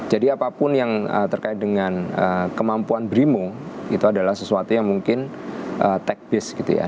jadi apapun yang terkait dengan kemampuan brimo itu adalah sesuatu yang mungkin tech based gitu ya